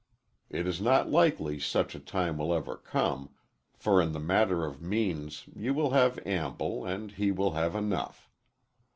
It is not likely such a time will ever come, for in the matter of means you will have ample and he will have enough.